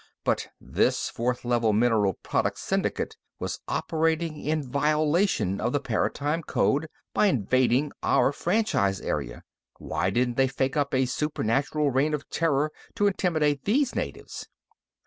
But this Fourth Level Mineral Products Syndicate was operating in violation of the Paratime Code by invading our franchise area. Why didn't they fake up a supernatural reign of terror to intimidate these natives?"